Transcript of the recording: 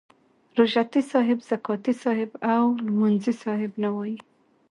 روژه تي صاحب، زکاتې صاحب او لمونځي صاحب نه وایي.